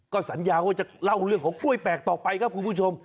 สัญญาว่าจะเล่าเรื่องของกล้วยแปลกต่อไปครับคุณผู้ชม